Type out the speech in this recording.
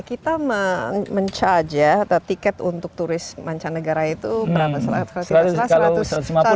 kita men charge ya atau tiket untuk turis mancanegara itu